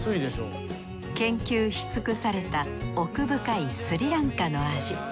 研究しつくされた奥深いスリランカの味。